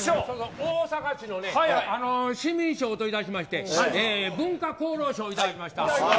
大阪市のね、市民賞といたしまして、文化功労賞頂きました。